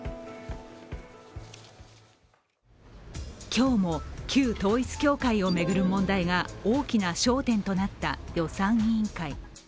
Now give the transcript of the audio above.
今日も旧統一教会を巡る問題が大きな焦点となった予算委員会。